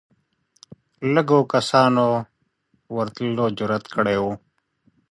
لږو کسانو ورتلو جرئت کړی وي